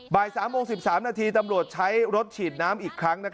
บ่าย๓โมง๑๓นาทีตำรวจใช้รถฉีดน้ำอีกครั้ง